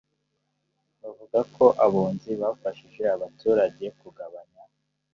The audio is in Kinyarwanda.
bavuga ko abunzi bafashije abaturage kugabanya